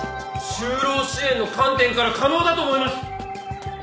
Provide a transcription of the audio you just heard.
就労支援の観点から可能だと思います！